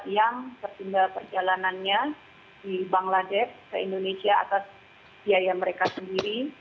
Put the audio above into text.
yang tertinggal perjalanannya di bangladesh ke indonesia atas biaya mereka sendiri